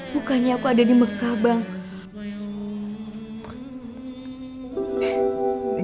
bukannya aku ada di mekah bang